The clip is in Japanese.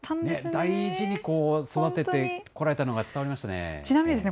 大事に育ててこられたのが伝わりましたね。